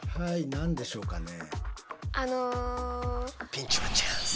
何でしょうかね。